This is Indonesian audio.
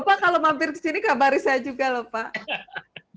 bapak kalau mampir di sini kabari saya juga lho pak